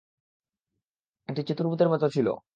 এটি চতুর্ভুজের মত ছিল।